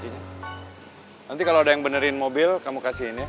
nanti kalau ada yang benerin mobil kamu kasihin ya